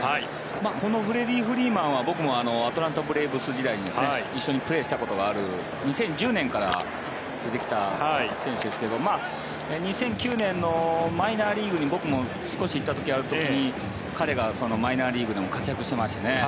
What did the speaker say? このフレディ・フリーマンは僕もアトランタ・ブレーブス時代に一緒にプレーしたことがある２０１０年から出てきた選手ですが２００９年のマイナーリーグに僕も少し行った時がある時に彼がマイナーリーグでも活躍してましたね。